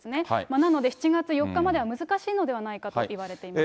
なので７月４日までは難しいのではないかといわれています。